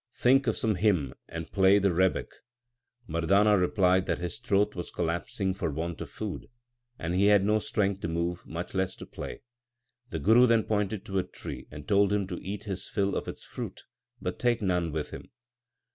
Think of some hymn and play the rebeck. Mardana replied that his throat was collapsing for want of food, and he had no strength to move, much less to play. The Guru then pointed to a tree and told him to eat his fill of its fruit, but take none with him.